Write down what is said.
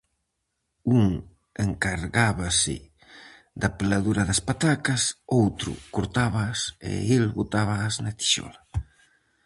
Un encargábase da peladura das patacas, outro cortábaas e el botábaas na tixola.